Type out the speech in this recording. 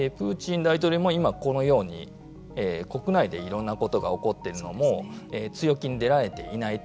プーチン大統領も今このように国内でいろんなことが起こっているのも強気に出られていないと。